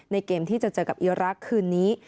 เกมที่จะเจอกับอีรักษ์คืนนี้